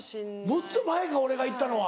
もっと前か俺が行ったのは。